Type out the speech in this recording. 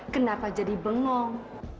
kenapa jadi bengong